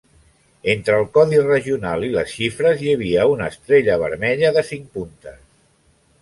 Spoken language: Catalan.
Entre el codi regional i les xifres hi havia una estrella vermella de cinc puntes.